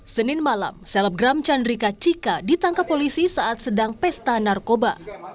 senin malam selebgram chandrika cika ditangkap polisi saat sedang pesta narkoba